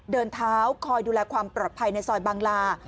เดินเท้าคอยดูแลความปลอดภัยในซอยบางลา